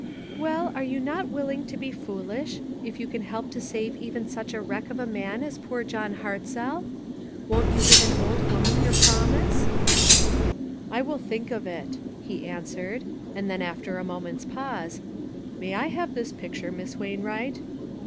" Well, are you not willing to be fool ish, if you can help to save even such a wreck of a man as poor John Hartzell? 426 ONE COMMONPLACE DAY. Won't you give an old woman your prom •ise?" " I will think of it," he answered ; and then after a moment's pause, " May I have this picture, Miss Wainwright